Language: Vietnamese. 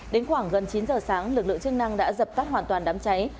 đến khoảng gần chín giờ sáng lực lượng chức năng đã dập tắt hoàn toàn đám cháy